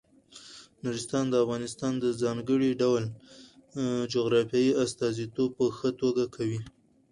نورستان د افغانستان د ځانګړي ډول جغرافیې استازیتوب په ښه توګه کوي.